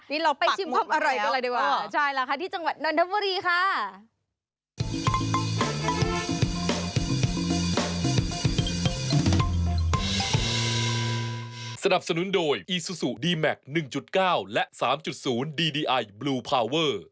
นี่เราปักหมดแล้วอ๋อใช่แล้วค่ะที่จังหวัดนอนทะพุรีค่ะไปชิมคำอร่อยกันเลยดีกว่า